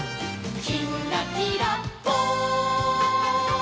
「きんらきらぽん」